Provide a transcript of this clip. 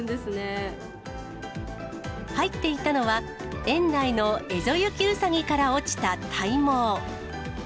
入っていたのは、園内のエゾユキウサギから落ちた体毛。